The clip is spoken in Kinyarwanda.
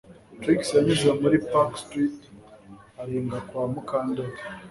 Trix yanyuze muri Park Street arenga kwa Mukandoli